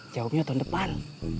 jawabnya tahun depan